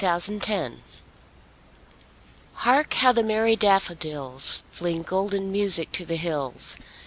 Spring HARK how the merry daffodils, Fling golden music to the hills!